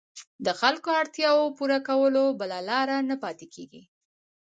د خلکو اړتیاوو پوره کولو بله لاره نه پاتېږي.